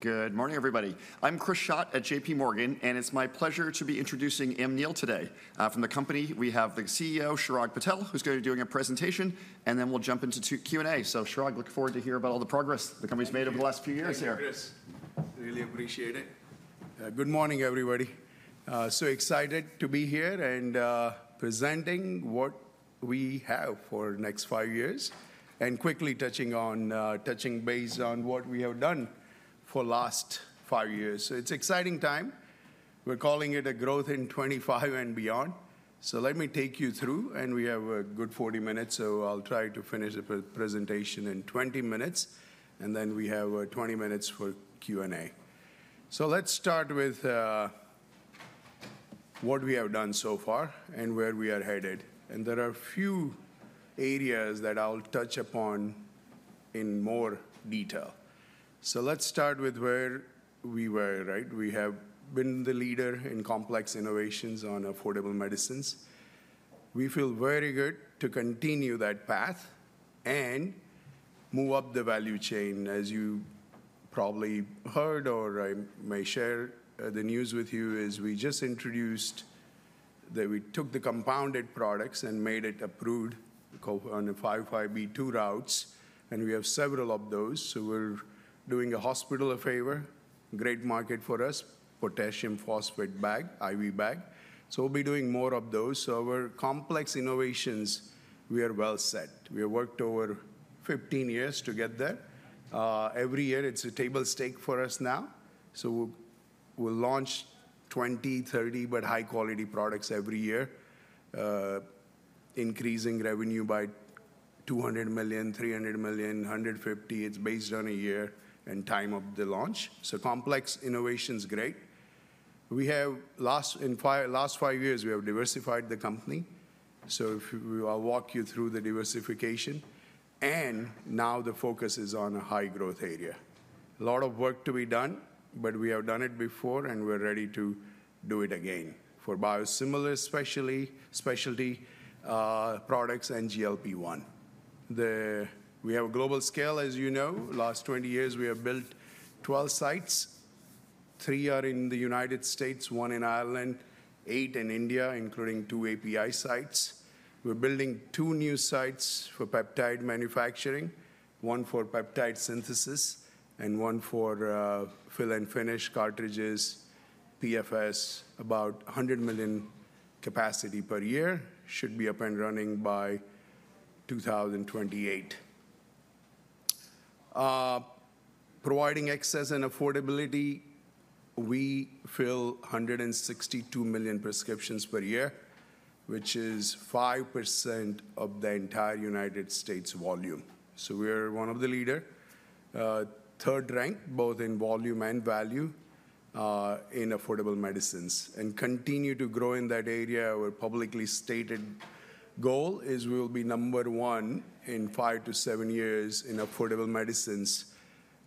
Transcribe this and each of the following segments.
Good morning, everybody. I'm Chris Schott at J.P Morgan, and it's my pleasure to be introducing Amneal today. From the company, we have the CEO, Chirag Patel, who's going to be doing a presentation, and then we'll jump into Q&A. So, Chirag, looking forward to hearing about all the progress the company's made over the last few years here. Yes, really appreciate it. Good morning, everybody. So excited to be here and presenting what we have for the next five years, and quickly touching on, touching base on what we have done for the last five years. So it's an exciting time. We're calling it a Growth in 25 and Beyond. So let me take you through, and we have a good 40 minutes, so I'll try to finish the presentation in 20 minutes, and then we have 20 minutes for Q&A. So let's start with what we have done so far and where we are headed. And there are a few areas that I'll touch upon in more detail. So let's start with where we were, right? We have been the leader in complex innovations on affordable medicines. We feel very good to continue that path and move up the value chain. As you probably heard, or I may share the news with you, we just introduced that we took the compounded products and made it approved on the 505(b)(2) routes, and we have several of those. So we're doing hospital-favored [products], great market for us, potassium phosphate IV bag. So we'll be doing more of those. So our complex innovations, we are well set. We have worked over 15 years to get there. Every year, it's table stakes for us now. So we'll launch 20-30, but high-quality products every year, increasing revenue by $200 million, $300 million, $150 million. It's based on a year and time of the launch. So complex innovation is great. We have, last five years, we have diversified the company. So if I walk you through the diversification, and now the focus is on a high-growth area. A lot of work to be done, but we have done it before, and we're ready to do it again for biosimilar specialty products and GLP-1. We have a global scale, as you know. Last 20 years, we have built 12 sites. Three are in the United States, one in Ireland, eight in India, including two API sites. We're building two new sites for peptide manufacturing, one for peptide synthesis and one for fill and finish cartridges, PFS, about 100 million capacity per year, should be up and running by 2028. Providing access and affordability, we fill 162 million prescriptions per year, which is 5% of the entire United States volume. So we are one of the leaders, third rank, both in volume and value in affordable medicines, and continue to grow in that area. Our publicly stated goal is we will be number one in five to seven years in affordable medicines,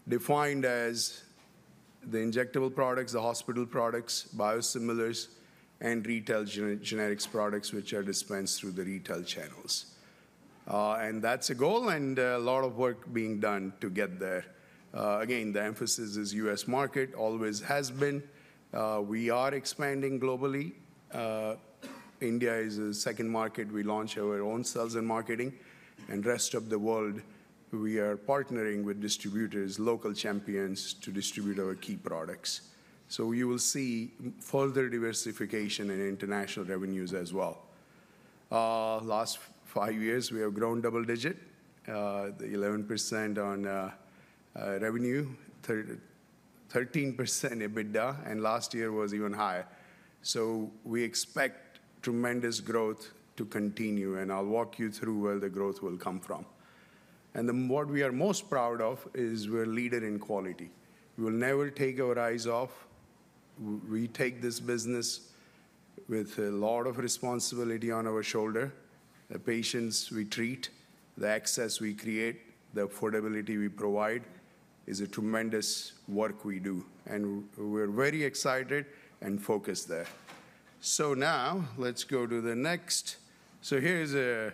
defined as the injectable products, the hospital products, biosimilars, and retail generics products, which are dispensed through the retail channels. And that's a goal, and a lot of work being done to get there. Again, the emphasis is U.S. market, always has been. We are expanding globally. India is the second market. We launch our own sales and marketing. And the rest of the world, we are partnering with distributors, local champions to distribute our key products. So you will see further diversification and international revenues as well. Last five years, we have grown double-digit, 11% on revenue, 13% EBITDA, and last year was even higher. So we expect tremendous growth to continue, and I'll walk you through where the growth will come from. What we are most proud of is we're a leader in quality. We will never take our eyes off. We take this business with a lot of responsibility on our shoulder. The patients we treat, the access we create, the affordability we provide is tremendous work we do. We're very excited and focused there. Now let's go to the next. Here's a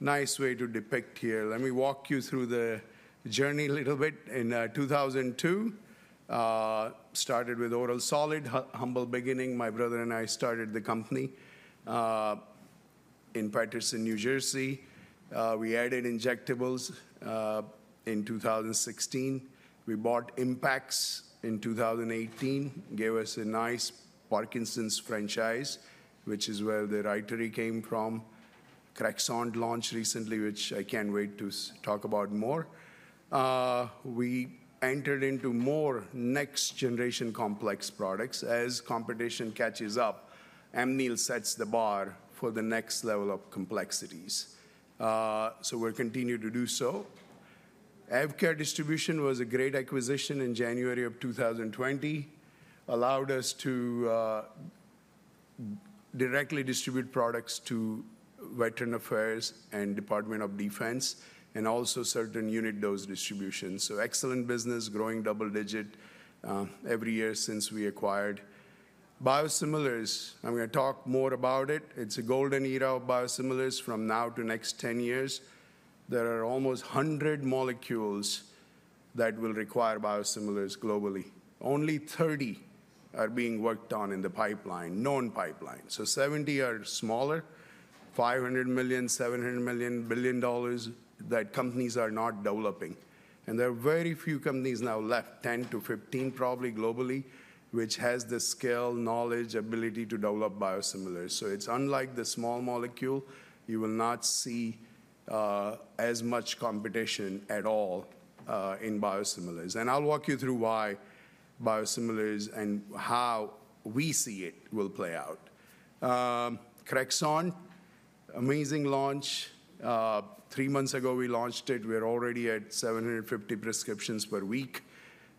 nice way to depict here. Let me walk you through the journey a little bit. In 2002, started with Oral Solid, humble beginning. My brother and I started the company in Paterson, New Jersey. We added injectables in 2016. We bought Impax in 2018, gave us a nice Parkinson's franchise, which is where the Rytary came from. Crexont launched recently, which I can't wait to talk about more. We entered into more next-generation complex products. As competition catches up, Amneal sets the bar for the next level of complexities, so we'll continue to do so. AvKare Distribution was a great acquisition in January of 2020, allowed us to directly distribute products to Veterans Affairs and Department of Defense, and also certain unit dose distributions. So excellent business, growing double-digit every year since we acquired it. Biosimilars. I'm going to talk more about it. It's a golden era of biosimilars from now to next 10 years. There are almost 100 molecules that will require biosimilars globally. Only 30 are being worked on in the pipeline, known pipeline. So 70 are smaller, $500 million, $700 million, $1 billion that companies are not developing. And there are very few companies now left, 10-15 probably globally, which has the skill, knowledge, ability to develop biosimilars. So it's unlike the small molecule. You will not see as much competition at all in biosimilars. I'll walk you through why biosimilars and how we see it will play out. Crexont, amazing launch. Three months ago, we launched it. We're already at 750 prescriptions per week.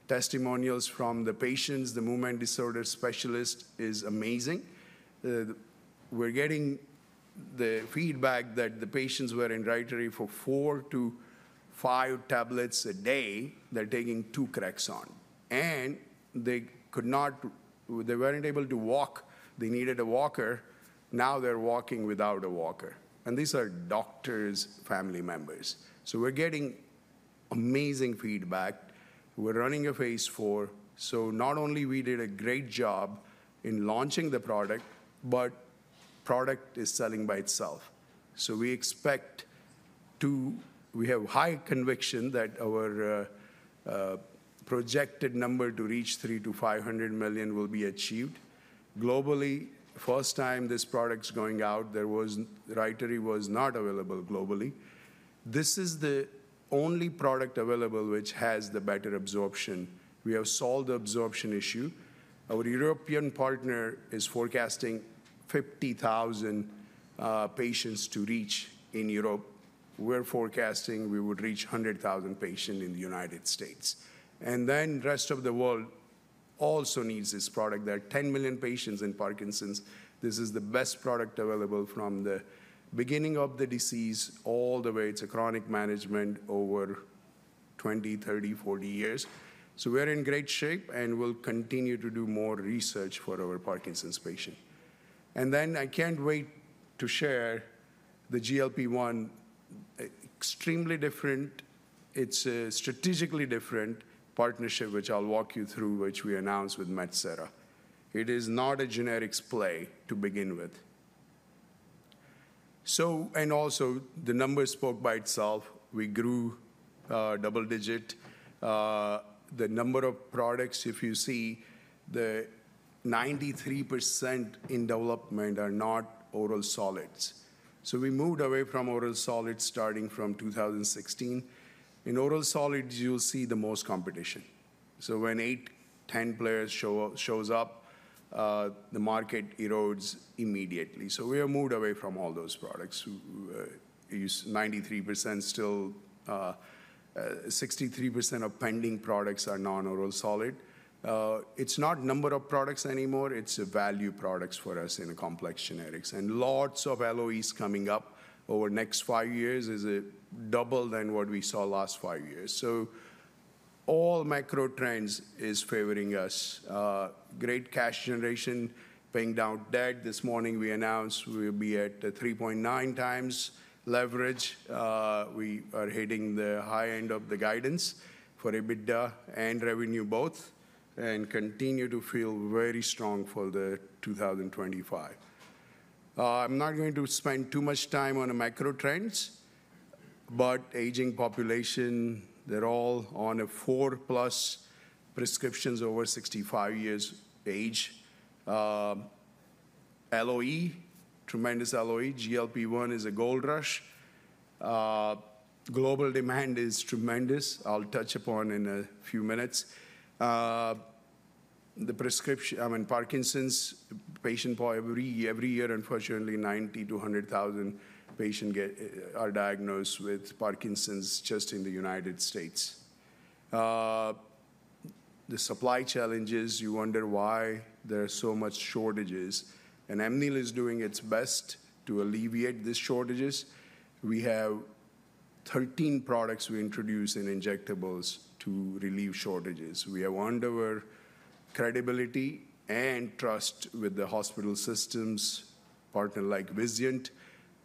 Testimonials from the patients, the movement disorder specialist is amazing. We're getting the feedback that the patients who are on Rytary for four to five tablets a day, they're taking two Crexont. They could not, they weren't able to walk. They needed a walker. Now they're walking without a walker. These are doctors, family members. We're getting amazing feedback. We're running a phase 4. Not only did we do a great job in launching the product, but the product is selling by itself. We expect to, we have high conviction that our projected number to reach $300-$500 million will be achieved. Globally, first time this product's going out, Rytary was not available globally. This is the only product available which has the better absorption. We have solved the absorption issue. Our European partner is forecasting 50,000 patients to reach in Europe. We're forecasting we would reach 100,000 patients in the United States. And then the rest of the world also needs this product. There are 10 million patients in Parkinson's. This is the best product available from the beginning of the disease all the way. It's a chronic management over 20, 30, 40 years. So we're in great shape, and we'll continue to do more research for our Parkinson's patients. And then I can't wait to share the GLP-1, extremely different. It's a strategically different partnership, which I'll walk you through, which we announced with Metsera. It is not a generics play to begin with. So, and also the number speaks for itself. We grew double-digit. The number of products, if you see, the 93% in development are not oral solids. So we moved away from oral solids starting from 2016. In oral solids, you'll see the most competition. So when 8players, 10 players show up, the market erodes immediately. So we have moved away from all those products. 93% still, 63% of pending products are non-oral solid. It's not number of products anymore. It's value products for us in a complex generics. And lots of LOEs coming up over the next five years is double than what we saw last five years. So all macro trends are favoring us. Great cash generation, paying down debt. This morning, we announced we'll be at 3.9 times leverage. We are hitting the high end of the guidance for EBITDA and revenue both, and continue to feel very strong for 2025. I'm not going to spend too much time on the macro trends, but aging population, they're all on four-plus prescriptions over 65 years of age. LOE, tremendous LOE. GLP-1 is a gold rush. Global demand is tremendous. I'll touch upon in a few minutes. The prescription, I mean, Parkinson's patient population, every year, unfortunately, 90,000-100,000 patients are diagnosed with Parkinson's just in the United States. The supply challenges, you wonder why there are so many shortages. And Amneal is doing its best to alleviate these shortages. We have 13 products we introduce in injectables to relieve shortages. We have won over credibility and trust with the hospital systems, partners like Vizient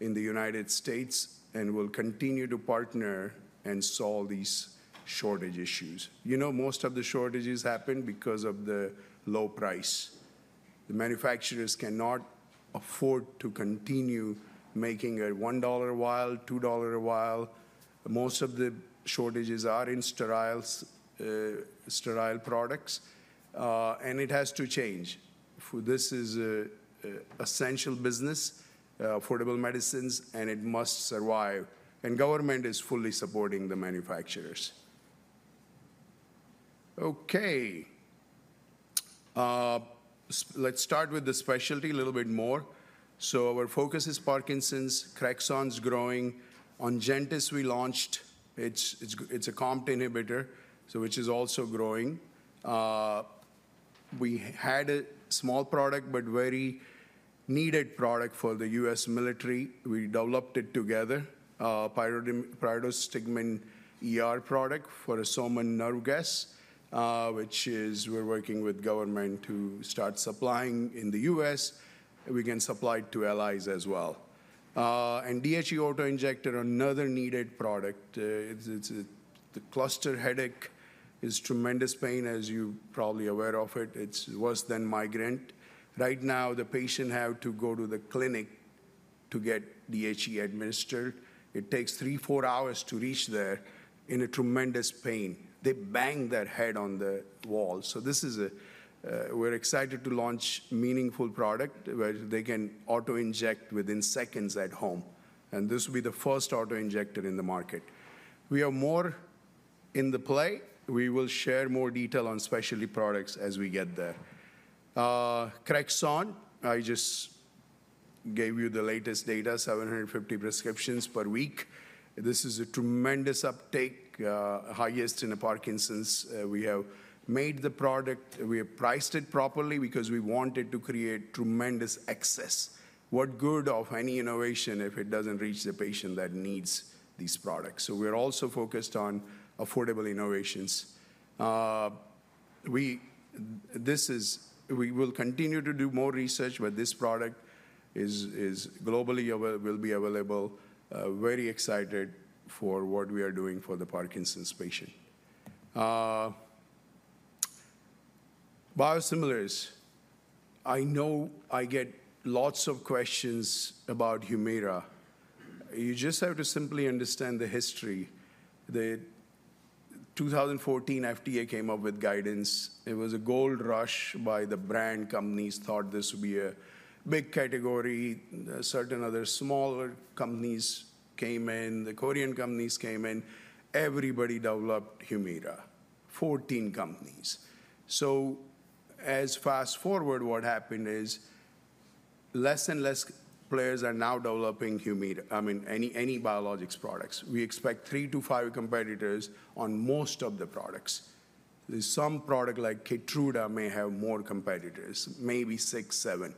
in the United States, and we'll continue to partner and solve these shortage issues. You know, most of the shortages happen because of the low price. The manufacturers cannot afford to continue making a $1 a vial, $2 a vial. Most of the shortages are in sterile products, and it has to change. This is an essential business, affordable medicines, and it must survive, and the government is fully supporting the manufacturers. Okay. Let's start with the specialty a little bit more, so our focus is Parkinson's. Crexont's growing. On Ongentys, we launched. It's a COMT inhibitor, which is also growing. We had a small product, but very needed product for the U.S. military. We developed it together, pyridostigmine product for Soman, a nerve gas, which we're working with the government to start supplying in the U.S. We can supply to allies as well, and DHE auto injector, another needed product. The cluster headache is tremendous pain, as you're probably aware of it. It's worse than migraine. Right now, the patient has to go to the clinic to get DHE administered. It takes three, four hours to reach there in tremendous pain. They bang their head on the wall. So this is a, we're excited to launch a meaningful product where they can auto inject within seconds at home. And this will be the first auto injector in the market. We are more in the play. We will share more detail on specialty products as we get there. Crexont, I just gave you the latest data, 750 prescriptions per week. This is a tremendous uptake, highest in Parkinson's. We have made the product. We have priced it properly because we wanted to create tremendous access. What good of any innovation if it doesn't reach the patient that needs these products? So we're also focused on affordable innovations. This is, we will continue to do more research, but this product is globally available, will be available. Very excited for what we are doing for the Parkinson's patient. Biosimilars, I know I get lots of questions about Humira. You just have to simply understand the history. The 2014 FDA came up with guidance. It was a gold rush by the brand companies thought this would be a big category. Certain other smaller companies came in. The Korean companies came in. Everybody developed Humira, 14 companies. So as fast forward, what happened is less and less players are now developing Humira, I mean, any biologics products. We expect three to five competitors on most of the products. Some product like Keytruda may have more competitors, maybe six, seven.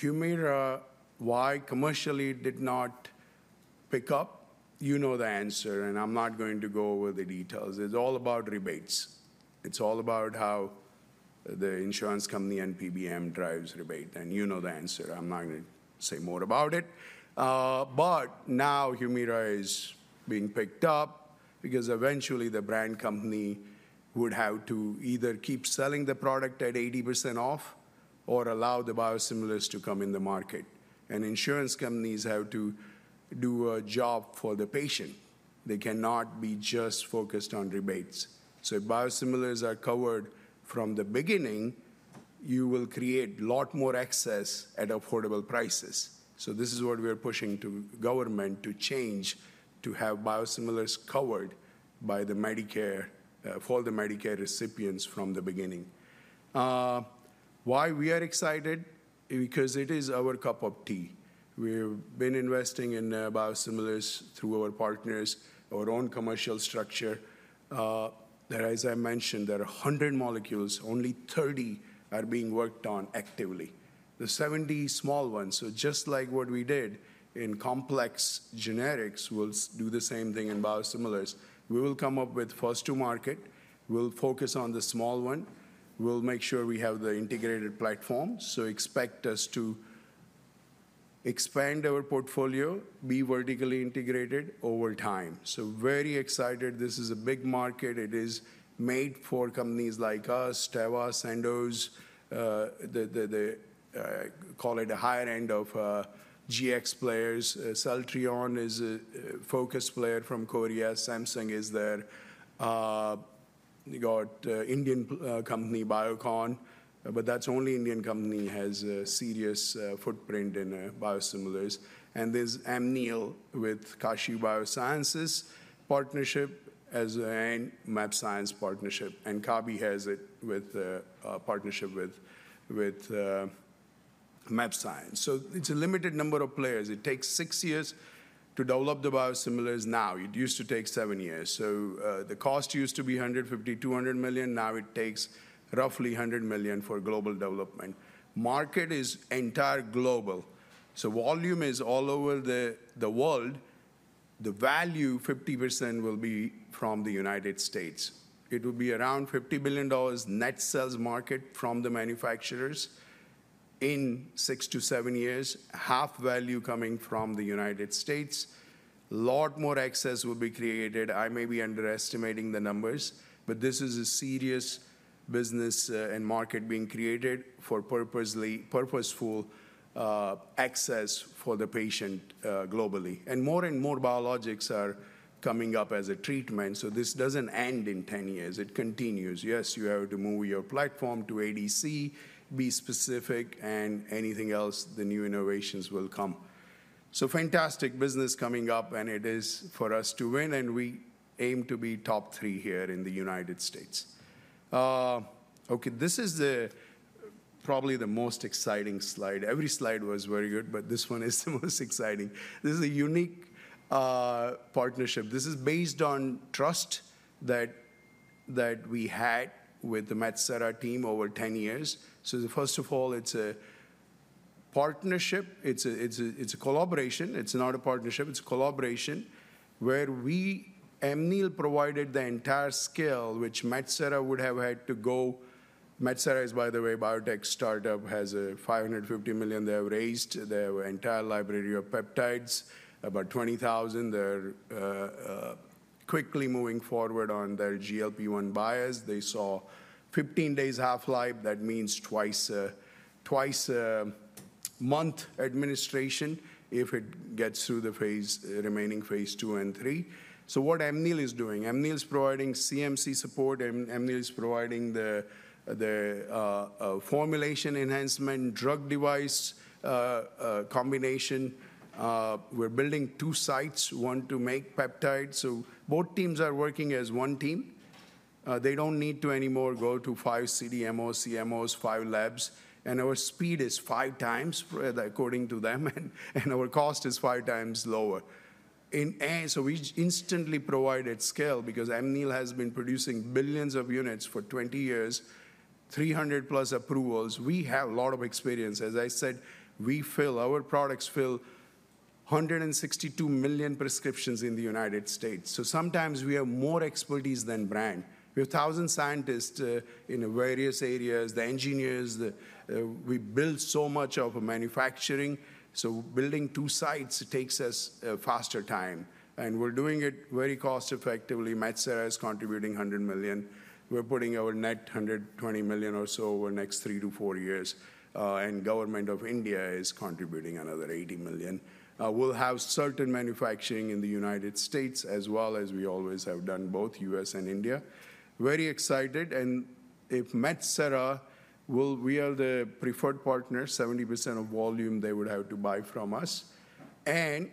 Humira, why commercially did not pick up? You know the answer, and I'm not going to go over the details. It's all about rebates. It's all about how the insurance company and PBM drives rebate. And you know the answer. I'm not going to say more about it. But now Humira is being picked up because eventually the brand company would have to either keep selling the product at 80% off or allow the biosimilars to come in the market. And insurance companies have to do a job for the patient. They cannot be just focused on rebates. So if biosimilars are covered from the beginning, you will create a lot more access at affordable prices. So this is what we are pushing to government to change, to have biosimilars covered by the Medicare for the Medicare recipients from the beginning. Why we are excited? Because it is our cup of tea. We've been investing in biosimilars through our partners, our own commercial structure. As I mentioned, there are 100 molecules, only 30 are being worked on actively. The 70 small ones, so just like what we did in complex generics, we'll do the same thing in biosimilars. We will come up with first-to-market. We'll focus on the small one. We'll make sure we have the integrated platform. So expect us to expand our portfolio, be vertically integrated over time. So very excited. This is a big market. It is made for companies like us, Teva, Sandoz, call it the higher end of GX players. Celltrion is a focus player from Korea. Samsung is there. We got an Indian company, Biocon. But that's the only Indian company that has a serious footprint in biosimilars. And there's Amneal with Kashiv Biosciences partnership and mAbxience partnership. And Kabi has it with a partnership with mAbxience. So it's a limited number of players. It takes six years to develop the biosimilars now. It used to take seven years. So the cost used to be $150-$200 million. Now it takes roughly $100 million for global development. Market is entire global. So volume is all over the world. The value, 50% will be from the United States. It will be around $50 billion net sales market from the manufacturers in six to seven years, half value coming from the United States. A lot more access will be created. I may be underestimating the numbers, but this is a serious business and market being created for purposeful access for the patient globally. And more and more biologics are coming up as a treatment. So this doesn't end in 10 years. It continues. Yes, you have to move your platform to ADC, be specific, and anything else, the new innovations will come. So fantastic business coming up, and it is for us to win, and we aim to be top three here in the United States. Okay, this is probably the most exciting slide. Every slide was very good, but this one is the most exciting. This is a unique partnership. This is based on trust that we had with the Metsera team over 10 years. So first of all, it's a partnership. It's a collaboration. It's not a partnership. It's a collaboration where we, Amneal, provided the entire scale which Metsera would have had to go. Metsera is, by the way, a biotech startup, has a $550 million they have raised. They have an entire library of peptides, about 20,000. They're quickly moving forward on their GLP-1 based. They have 15 days half-life. That means twice a month administration if it gets through the remaining phase two and three. So what Amneal is doing, Amneal is providing CMC support. Amneal is providing the formulation enhancement drug device combination. We're building two sites, one to make peptides, so both teams are working as one team. They don't need to anymore go to five CDMOs, CMOs, five labs, and our speed is five times, according to them, and our cost is five times lower. So we instantly provide at scale because Amneal has been producing billions of units for 20 years, 300 plus approvals. We have a lot of experience. As I said, our products fill 162 million prescriptions in the United States. So sometimes we have more expertise than brand. We have thousand scientists in various areas, the engineers. We build so much of manufacturing, so building two sites takes us faster time, and we're doing it very cost-effectively. Metsera is contributing $100 million. We're putting our net $120 million or so over the next three to four years, and Government of India is contributing another $80 million. We'll have certain manufacturing in the United States as well as we always have done, both U.S. and India. Very excited, and with Metsera we are the preferred partner, 70% of volume they would have to buy from us. And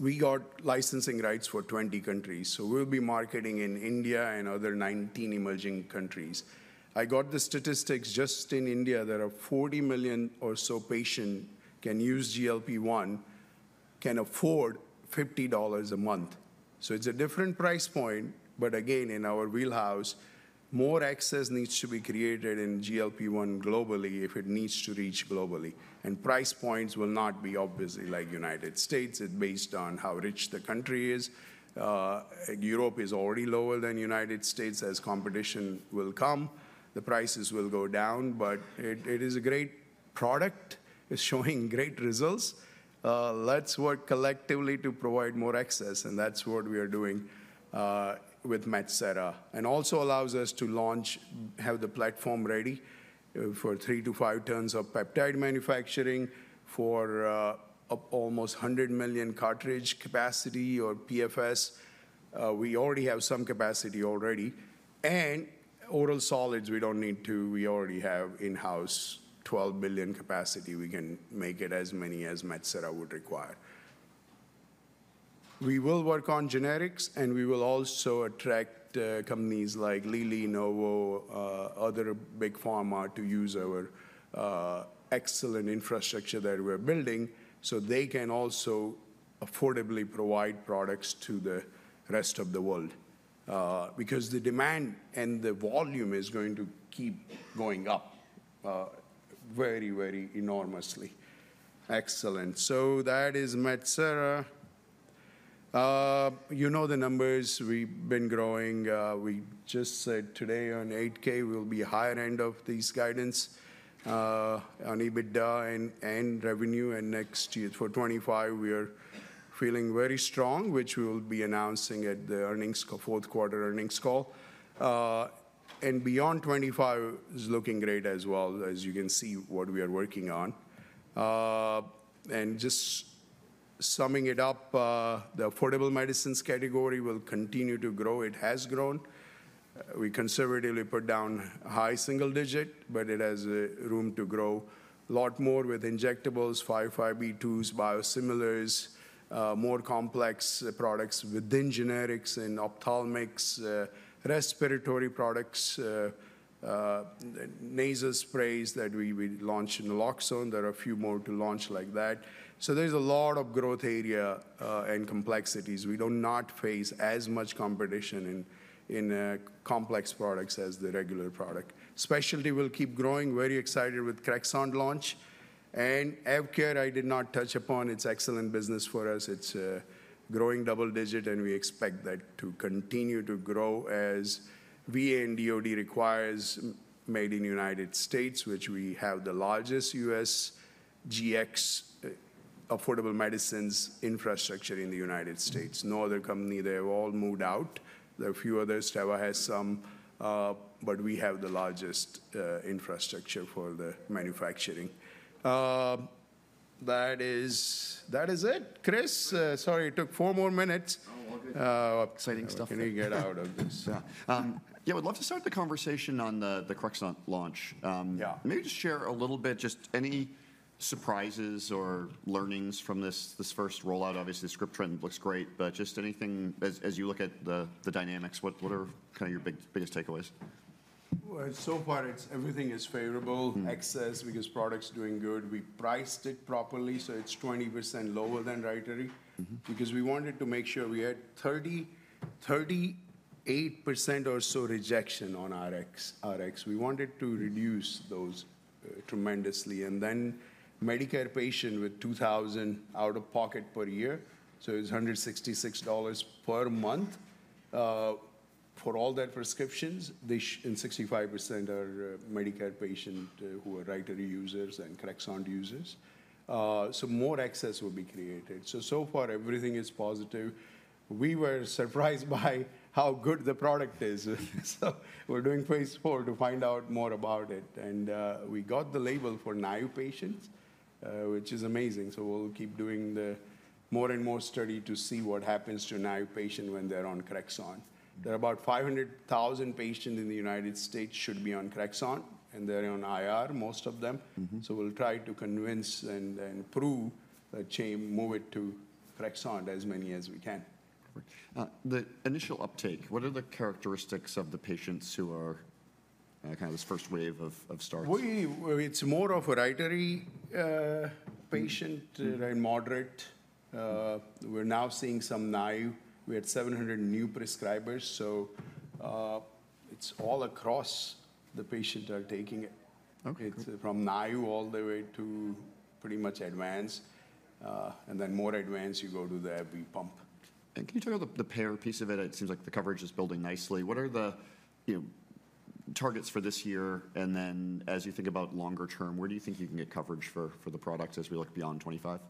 we got licensing rights for 20 countries, so we'll be marketing in India and other 19 emerging countries. I got the statistics just in India. There are 40 million or so patients who can use GLP-1, can afford $50 a month. So it's a different price point. But again, in our wheelhouse, more access needs to be created in GLP-1 globally if it needs to reach globally. And price points will not be obviously like United States. It's based on how rich the country is. Europe is already lower than the United States as competition will come. The prices will go down, but it is a great product. It's showing great results. Let's work collectively to provide more access. And that's what we are doing with Metsera. And also allows us to launch, have the platform ready for three to five tons of peptide manufacturing for almost 100 million cartridge capacity or PFS. We already have some capacity already. And oral solids, we don't need to. We already have in-house 12 million capacity. We can make it as many as Metsera would require. We will work on generics, and we will also attract companies like Lilly, Novo, other big pharma to use our excellent infrastructure that we're building so they can also affordably provide products to the rest of the world because the demand and the volume is going to keep going up very, very enormously. Excellent. So that is Metsera. You know the numbers. We've been growing. We just said today on 8K, we'll be higher end of this guidance on EBITDA and revenue. And next year for 25, we are feeling very strong, which we will be announcing at the earnings, fourth quarter earnings call. And beyond 25 is looking great as well, as you can see what we are working on. And just summing it up, the affordable medicines category will continue to grow. It has grown. We conservatively put down high single-digit, but it has room to grow a lot more with injectables, 505(b)(2)s, biosimilars, more complex products within generics and ophthalmics, respiratory products, nasal sprays that we launched in naloxone. There are a few more to launch like that. So there's a lot of growth area and complexities. We do not face as much competition in complex products as the regular product. Specialty will keep growing. Very excited with Crexont launch. And AvKare, I did not touch upon. It's excellent business for us. It's growing double-digit, and we expect that to continue to grow as VA and DoD requires made in the United States, which we have the largest U.S. GX affordable medicines infrastructure in the United States. No other company. They have all moved out. There are a few others. Teva has some, but we have the largest infrastructure for the manufacturing. That is it Chris. Sorry, it took four more minutes. Oh, okay. Exciting stuff. Can you get out of this? Yeah, we'd love to start the conversation on the Crexont launch. Maybe just share a little bit, just any surprises or learnings from this first rollout. Obviously, the script trend looks great, but just anything as you look at the dynamics, what are kind of your biggest takeaways? Well, so far, everything is favorable. Access because product's doing good. We priced it properly. So it's 20% lower than Rytary because we wanted to make sure we had 38% or so rejection on Rx. We wanted to reduce those tremendously. And then Medicare patient with $2,000 out of pocket per year. So it's $166 per month for all their prescriptions. And 65% are Medicare patients who are Rytary users and Crexont users. So more access will be created. So far, everything is positive. We were surprised by how good the product is. So we're doing phase 4 to find out more about it. And we got the label for naïve patients, which is amazing. So we'll keep doing more and more study to see what happens to naïve patients when they're on Crexont. There are about 500,000 patients in the United States who should be on Crexont, and they're on IR, most of them. So we'll try to convince and then prove that they can move it to Crexont as many as we can. The initial uptake, what are the characteristics of the patients who are kind of this first wave of starts? It's more of a Rytary patient, moderate. We're now seeing some naïve. We had 700 new prescribers. So it's all across the patients are taking it. It's from IR all the way to pretty much advanced. And then more advanced, you go to the pump. And can you talk about the payer piece of it? It seems like the coverage is building nicely. What are the targets for this year? And then as you think about longer term, where do you think you can get coverage for the products as we look beyond 2025?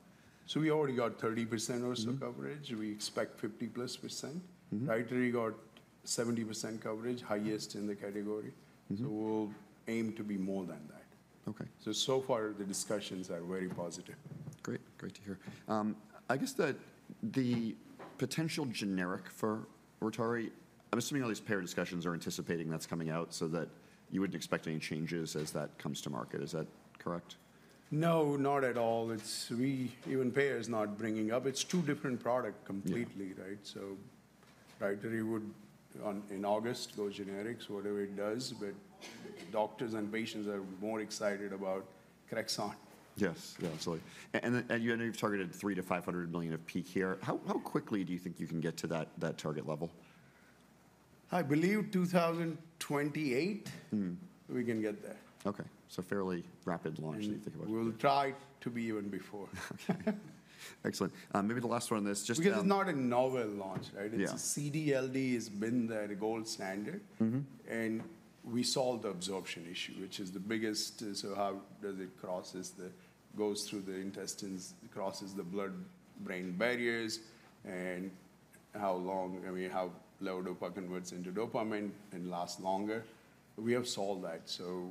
So we already got 30% or so coverage. We expect 50-plus%. Rytary got 70% coverage, highest in the category. So we'll aim to be more than that. So far, the discussions are very positive. Great. Great to hear. I guess that the potential generic for Rytary, I'm assuming all these payer discussions are anticipating that's coming out so that you wouldn't expect any changes as that comes to market. Is that correct? No, not at all. Even payer is not bringing up. It's two different products completely, right? So Rytary would in August go generics, whatever it does. But doctors and patients are more excited about Crexont. Yes, absolutely. And you've targeted $300 million-$500 million of peak here. How quickly do you think you can get to that target level? I believe 2028 we can get there. Okay. So fairly rapid launch when you think about it. We'll try to be even before. Excellent. Maybe the last one on this. This is not a novel launch, right? It's a CD/LD has been the gold standard. And we solved the absorption issue, which is the biggest. So how does it cross? It goes through the intestines, crosses the blood-brain barriers, and how long, how low dopamine converts into dopamine and lasts longer. We have solved that. So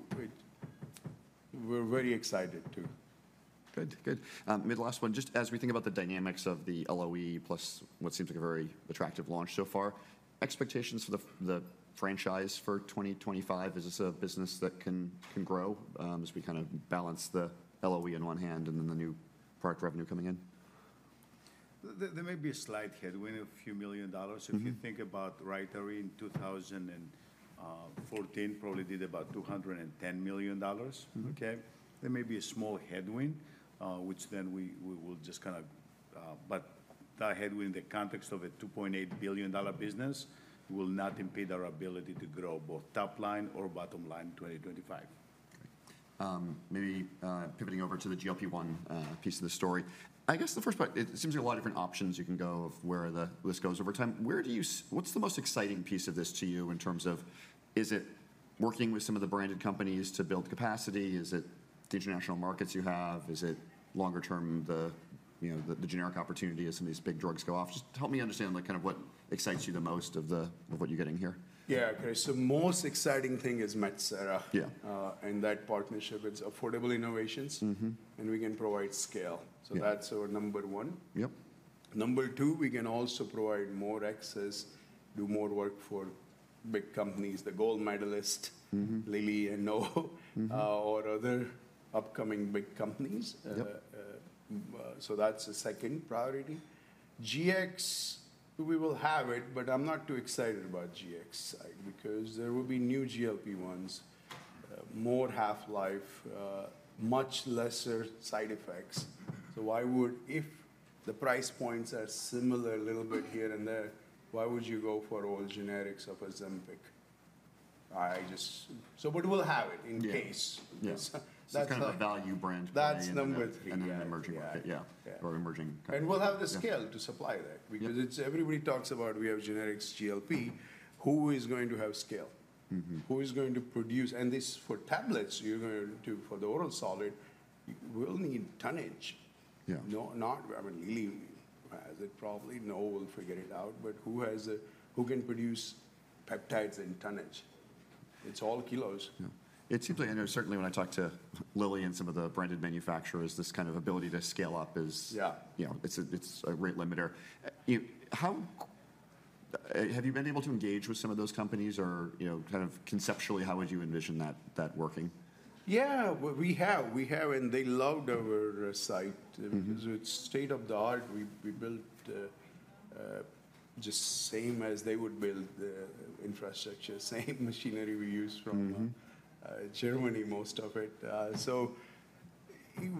we're very excited too. Good. Good. Maybe the last one, just as we think about the dynamics of the LOE plus what seems like a very attractive launch so far, expectations for the franchise for 2025, is this a business that can grow as we kind of balance the LOE on one hand and then the new product revenue coming in? There may be a slight headwind, a few million dollars. If you think about Rytary in 2014, probably did about $210 million. Okay. There may be a small headwind, which then we will just kind of, but that headwind, the context of a $2.8 billion business will not impede our ability to grow both top line or bottom line in 2025. Maybe pivoting over to the GLP-1 piece of the story. I guess the first part, it seems there are a lot of different options you can go of where this goes over time. What's the most exciting piece of this to you in terms of is it working with some of the branded companies to build capacity? Is it the international markets you have? Is it longer term, the generic opportunity as some of these big drugs go off? Just help me understand kind of what excites you the most of what you're getting here. Yeah, okay. So most exciting thing is Metsera and that partnership. It's affordable innovations, and we can provide scale. So that's our number one. Number two, we can also provide more access, do more work for big companies, the gold medalist, Lilly and Novo, or other upcoming big companies. So that's the second priority. GX, we will have it, but I'm not too excited about GX side because there will be new GLP-1s, more half-life, much lesser side effects. So if the price points are similar a little bit here and there, why would you go for all generics of Ozempic? So but we'll have it in case. That's kind of a value brand. That's number three. And then emerging market, yeah. Or emerging company. And we'll have the scale to supply that because everybody talks about we have generics GLP. Who is going to have scale? Who is going to produce? And this for tablets, you're going to for the oral solid, we'll need tonnage. I mean, Lilly has it probably. Novo will figure it out. But who can produce peptides in tonnage? It's all kilos. It seems like, and certainly when I talk to Lilly and some of the branded manufacturers, this kind of ability to scale up is it's a rate limiter. Have you been able to engage with some of those companies? Or kind of conceptually, how would you envision that working? Yeah, we have. And they loved our site because it's state of the art. We built just same as they would build the infrastructure, same machinery we use from Germany, most of it. So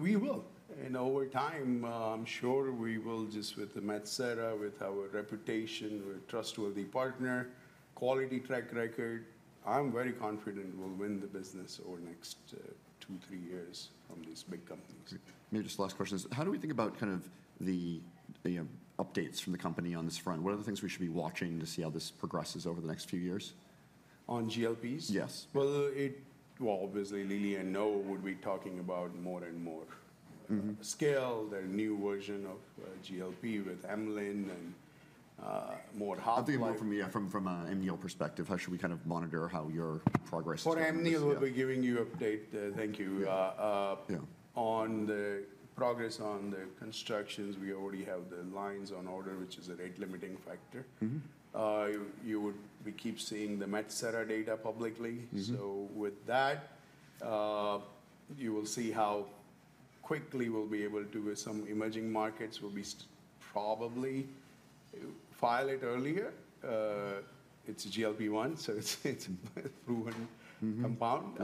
we will. And over time, I'm sure we will just with the Metsera, with our reputation, with trustworthy partner, quality track record. I'm very confident we'll win the business over the next two, three years from these big companies. Maybe just last questions. How do we think about kind of the updates from the company on this front? What are the things we should be watching to see how this progresses over the next few years? On GLPs? Yes. Well, obviously, Lilly and Novo would be talking about more and more scale. Their new version of GLP with an oral and more API. I'll give you live from an Amneal perspective. How should we kind of monitor how your progress is? For Amneal, we'll be giving you update. Thank you. On the progress on the constructions, we already have the lines on order, which is a rate limiting factor. We keep seeing the Metsera data publicly. So with that, you will see how quickly we'll be able to, with some emerging markets, we'll be probably file it earlier. It's a GLP-1, so it's a proven compound.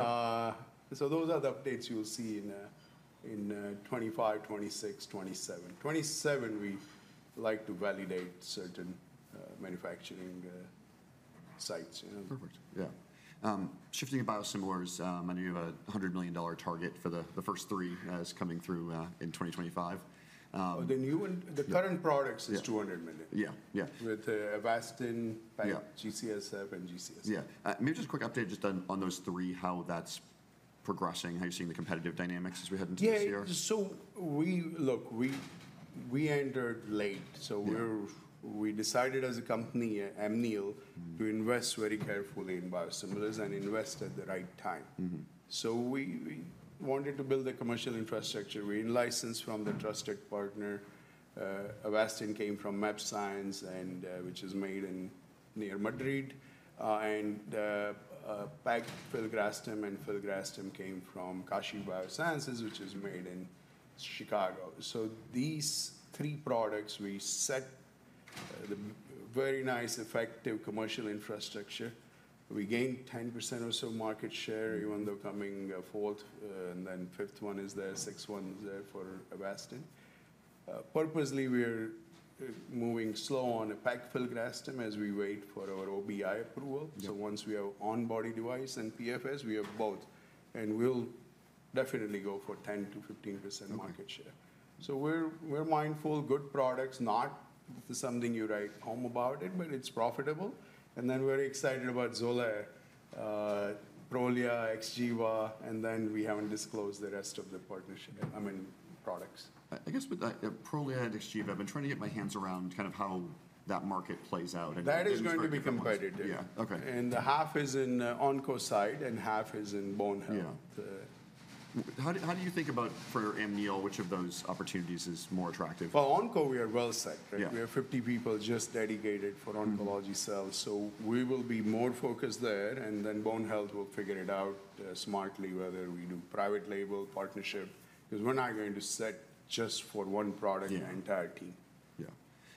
So those are the updates you'll see in 2025, 2026, 2027. 2027, we like to validate certain manufacturing sites. Perfect. Yeah. Shifting to biosimilars, I know you have a $100 million target for the first three that is coming through in 2025. The current products is $200 million. Yeah. With Avastin, G-CSF, and G-CSF OBI. Yeah. Maybe just a quick update just on those three, how that's progressing, how you're seeing the competitive dynamics as we head into this year. Yeah. So look, we entered late. So we decided as a company, Amneal, to invest very carefully in biosimilars and invest at the right time. So we wanted to build a commercial infrastructure. We licensed from the trusted partner. Avastin came from mAbxience, which is made near Madrid. And pegfilgrastim, filgrastim came from Kashiv Biosciences, which is made in Chicago. So these three products, we set the very nice, effective commercial infrastructure. We gained 10% or so market share, even though coming fourth and then fifth one is there, sixth one is there for Avastin. Purposely, we're moving slow on pegfilgrastim as we wait for our OBI approval. So once we have on-body device and PFS, we have both. We'll definitely go for 10%-15% market share. We're mindful, good products, not something you write home about, but it's profitable. Then we're excited about Zoled, Prolia, Xgeva, and then we haven't disclosed the rest of the partnership, I mean, products. I guess with Prolia and Xgeva, I've been trying to get my hands around kind of how that market plays out. That is going to be competitive. Yeah. Half is on the onco side and half is in bone health. How do you think about for Amneal, which of those opportunities is more attractive? Onco, we are well set. We have 50 people just dedicated for oncology sales. We will be more focused there. Bone health will figure it out smartly, whether we do private label, partnership, because we're not going to bet just for one product entirely.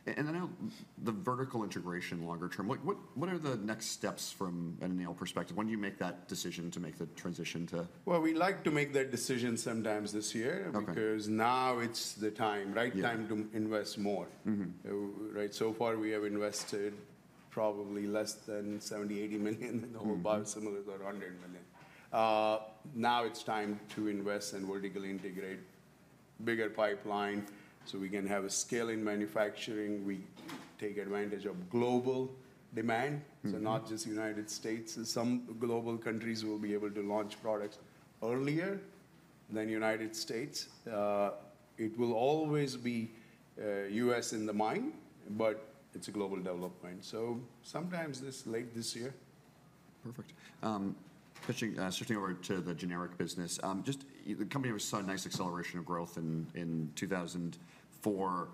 Yeah. Then the vertical integration longer term, what are the next steps from an Amneal perspective? When do you make that decision to make the transition to? We like to make that decision sometime this year because now it's the right time to invest more. So far, we have invested probably less than $70 million-$80 million in the whole biosimilars or $100 million. Now it's time to invest and vertically integrate bigger pipeline so we can have a scale in manufacturing. We take advantage of global demand, so not just United States. Some global countries will be able to launch products earlier than United States. It will always be U.S. in the mind, but it's a global development. So sometime late this year. Perfect. Shifting over to the generic business, just the company was such a nice acceleration of growth in 2024.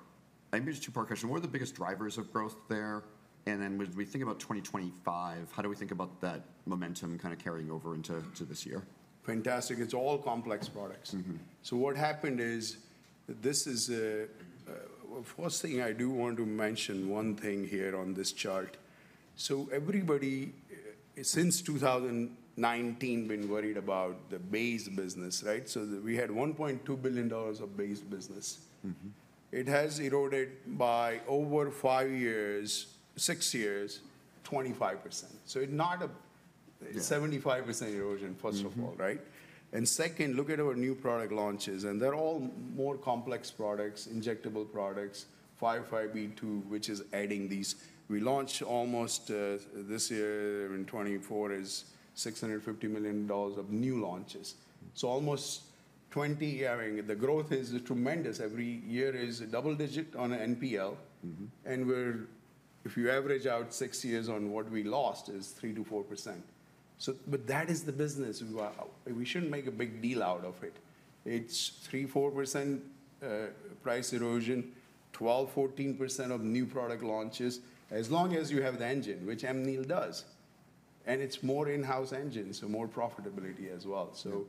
Maybe just a two-part question. What are the biggest drivers of growth there? And then as we think about 2025, how do we think about that momentum kind of carrying over into this year? Fantastic. It's all complex products. So what happened is this is the first thing I do want to mention one thing here on this chart. So everybody since 2019 has been worried about the base business, right? So we had $1.2 billion of base business. It has eroded by over five years, six years, 25%. So it's not a 75% erosion, first of all, right? And second, look at our new product launches. And they're all more complex products, injectable products, 505(b)(2), which is adding these. We launched almost this year in 2024 is $650 million of new launches. So almost 20, I mean, the growth is tremendous. Every year is a double digit on NPL. And if you average out six years on what we lost, it's 3%-4%. But that is the business. We shouldn't make a big deal out of it. It's 3%-4% price erosion, 12%-14% of new product launches as long as you have the engine, which Amneal does. And it's more in-house engines, so more profitability as well. So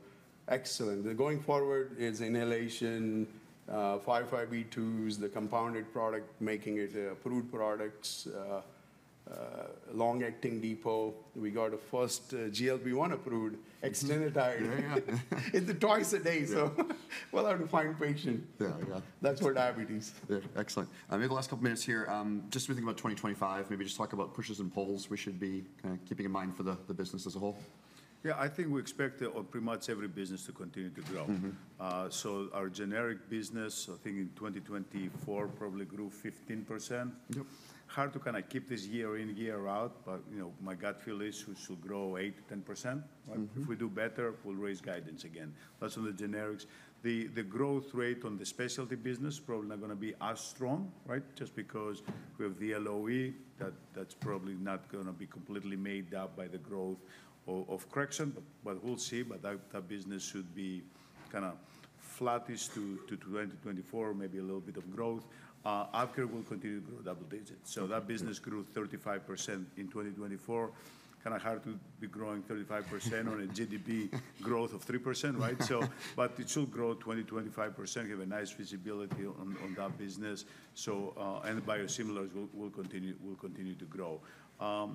excellent. Going forward is inhalation, 505(b)(2)s, the compounded product, making it approved products, long-acting depot. We got a first GLP-1 approved extended release. It's twice a day. So we'll have to find patients. That's for diabetes. Excellent. Maybe the last couple of minutes here, just we think about 2025, maybe just talk about pushes and pulls we should be kind of keeping in mind for the business as a whole. Yeah, I think we expect pretty much every business to continue to grow. Our generic business, I think in 2024, probably grew 15%. Hard to kind of keep this year in, year out, but my gut feel is we should grow 8-10%. If we do better, we'll raise guidance again. That's on the generics. The growth rate on the specialty business is probably not going to be as strong, right? Just because we have the LOE, that's probably not going to be completely made up by the growth of Crexont, but we'll see. But that business should be kind of flattish to 2024, maybe a little bit of growth. AvKare we'll continue to grow double digits. That business grew 35% in 2024. Kind of hard to be growing 35% on a GDP growth of 3%, right? But it should grow 20%-25%. We have a nice visibility on that business. Biosimilars will continue to grow.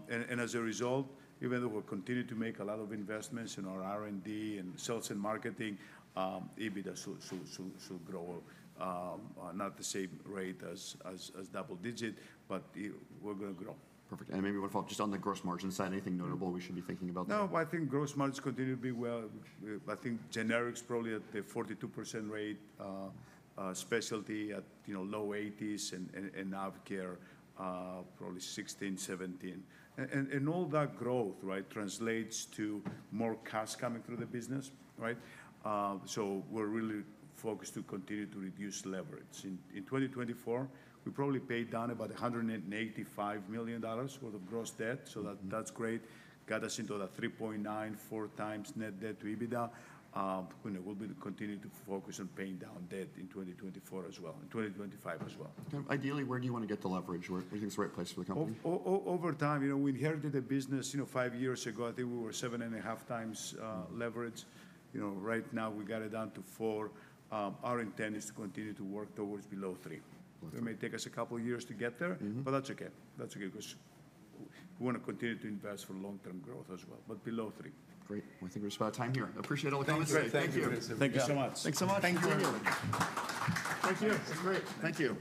And as a result, even though we'll continue to make a lot of investments in our R&D and sales and marketing, EBITDA should grow at not the same rate as double digit, but we're going to grow. Perfect. And maybe one follow-up, just on the gross margin side, anything notable we should be thinking about? No, I think gross margins continue to be well. I think generics probably at the 42% rate, specialty at low 80s%, and healthcare probably 16%-17%. And all that growth, right, translates to more cash coming through the business, right? So we're really focused to continue to reduce leverage. In 2024, we probably paid down about $185 million worth of gross debt. So that's great. Got us into that 3.9-4 times net debt to EBITDA. We'll be continuing to focus on paying down debt in 2024 as well, in 2025 as well. Ideally, where do you want to get the leverage? Where do you think is the right place for the company? Over time, we inherited the business five years ago. I think we were seven and a half times leverage. Right now, we got it down to four. Our intent is to continue to work towards below three. It may take us a couple of years to get there, but that's okay. That's okay because we want to continue to invest for long-term growth as well. But below three. Great. I think we're just about time here. Appreciate all the comments. Thank you. Thank you so much. Thank you so much. Thank you. Thank you.